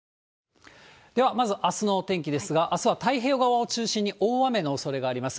ではまずあすのお天気ですが、あすは太平洋側を中心に、大雨のおそれがあります。